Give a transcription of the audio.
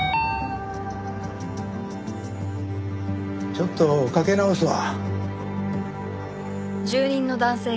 ちょっとかけ直すわ。